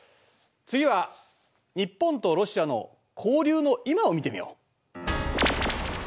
次は日本とロシアの交流の今を見てみよう。